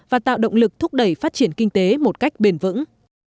và tạo động lực thúc đẩy phát triển kinh tế một cách bền vững